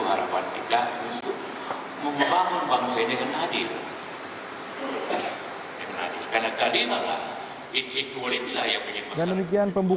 bahwa itu sudah seperti itu